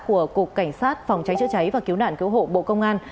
của cục cảnh sát phòng cháy chữa cháy và cứu nạn cứu hộ bộ công an